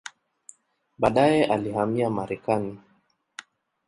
Baadaye alihamia Marekani.